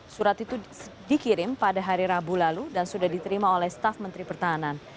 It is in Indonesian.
surat itu dikirim pada hari rabu lalu dan sudah diterima oleh staf menteri pertahanan